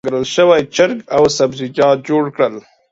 ما ګرل شوي چرګ او سبزیجات جوړ کړل.